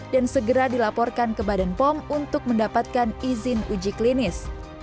segera dilaporkan ke badan pom untuk mendapatkan izin uji klinis